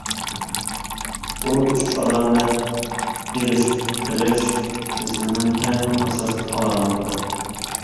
بۇ ئۈچ ئالامەت ئېلىشىپ قېلىش كېسىلىنىڭ ئەڭ ئاساسلىق ئالامىتىدۇر.